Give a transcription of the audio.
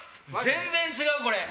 全然違うこれ。